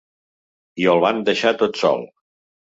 I el van deixar tot sol.